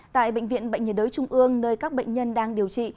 tại bệnh viện bệnh nhiệt đới trung ương nơi các bệnh nhân đang điều trị